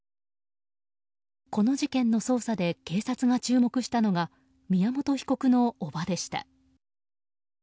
この事件の捜査で警察が注目したのが宮本被告の叔母でした。